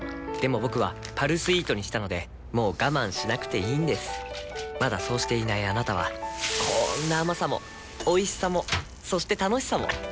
僕は「パルスイート」にしたのでもう我慢しなくていいんですまだそうしていないあなたはこんな甘さもおいしさもそして楽しさもあちっ。